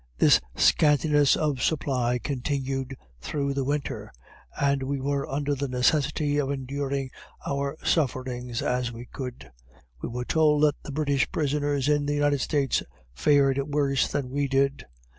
This scantiness of supply continued through the winter, and we were under the necessity of enduring our sufferings as we could. We were told that British prisoners in the United States fared worse than we did.